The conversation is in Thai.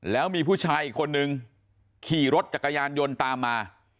แล้วมีผู้ชายอีกคนนึงขี่รถจักรยานยนต์ตามมา